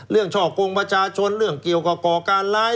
ช่อกงประชาชนเรื่องเกี่ยวกับก่อการร้าย